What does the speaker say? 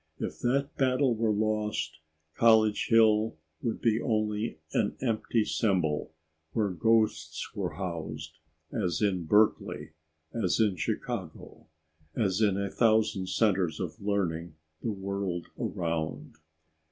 If that battle were lost, College Hill would be only an empty symbol, where ghosts were housed, as in Berkeley, as in Chicago, as in a thousand centers of learning the world around.